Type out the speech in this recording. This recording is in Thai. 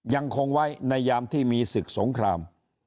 ยังคงไว้ในยามที่มีศึกสงคราม